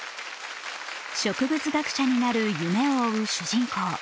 植物学者になる夢を追う主人公。